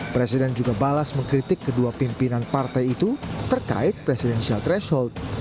presiden juga balas mengkritik kedua pimpinan partai itu terkait presidensial threshold